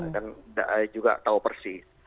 dan juga tahu persis